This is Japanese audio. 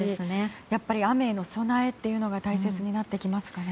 やっぱり雨への備えが大切になってきますかね。